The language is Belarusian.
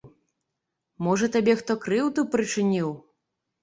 Можа, табе хто крыўду прычыніў?